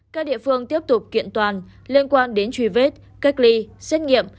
các địa phương tiếp tục kiện toàn liên quan đến truy vết cách ly xét nghiệm